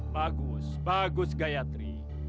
bagus bagus gayatri